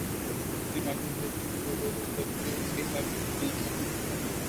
তিনি মার্কিন যুক্তরাষ্ট্রের সাবেক উপ-সচিব রিচার্ড লি আর্মিটেজ-এর নাতি।